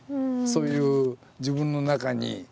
そういう自分の中に。